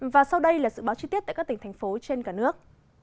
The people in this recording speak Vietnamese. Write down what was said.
và sau đây là dự báo chi tiết tại các tỉnh thành phố trên cả nước